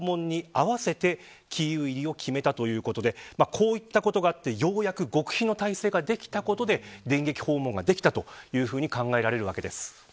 こういったことがあってようやく極秘の体制ができたことで電撃訪問ができたと考えられるわけです。